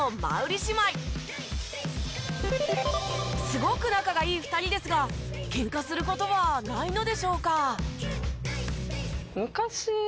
すごく仲がいい２人ですがケンカする事はないのでしょうか？